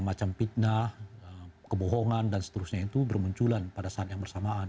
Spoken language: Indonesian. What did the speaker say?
macam fitnah kebohongan dan seterusnya itu bermunculan pada saat yang bersamaan